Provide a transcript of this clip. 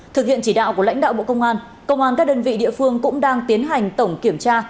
thực hiện chỉ đạo của lãnh đạo bộ công an công an các đơn vị địa phương cũng đang tiến hành tổng kiểm tra